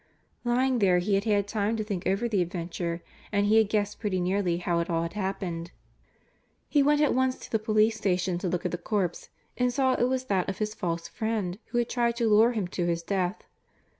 Lying there he had had time to think over the adventure and he had guessed pretty nearly how it all had happened. He went at once to the police station to look at the corpse and saw it was that of his false friend, who had tried to lure him to his death.